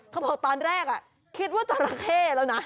เขาบอกตอนแรกคิดว่าจราเข้แล้วนะ